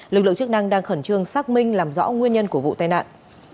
lực lượng chức năng đang khẩn trương xác minh làm rõ nguyên nhân của vụ tai nạn